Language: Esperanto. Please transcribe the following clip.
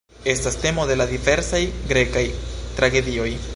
Estas temo de la diversaj grekaj tragedioj.